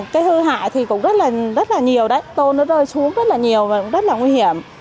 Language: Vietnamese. cái hư hại thì cũng rất là nhiều đấy tôn nó rơi xuống rất là nhiều và rất là nguy hiểm